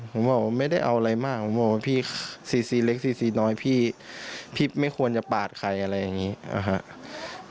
ผมบอกไม่ได้เอาอะไรมากผมบอกว่าพี่๔๔เล็ก๔๔น้อยพี่พี่ไม่ควรจะปาดใครอะไรอย่างนี้นะครับ